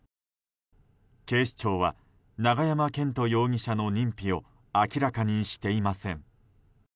警視庁は永山絢斗容疑者の認否を明らかにしていません。